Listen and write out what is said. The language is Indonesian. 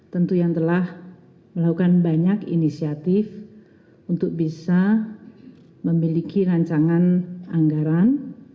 tentu yang telah melakukan banyak inisiatif untuk bisa memiliki rancangan anggaran